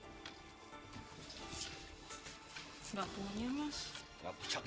enggak punya mas